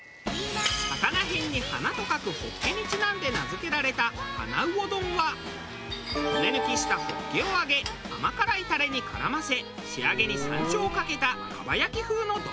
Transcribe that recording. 「魚へん」に「花」と書くホッケにちなんで名付けられた花魚丼は骨抜きしたホッケを揚げ甘辛いタレに絡ませ仕上げに山椒をかけた蒲焼き風の丼。